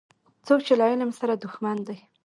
څوک چي له علم سره دښمن دی